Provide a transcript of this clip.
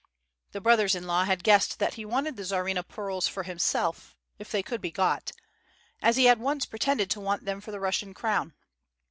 The brothers in law had guessed that he wanted the Tsarina pearls for himself, if they could be got, as he had once pretended to want them for the Russian Crown.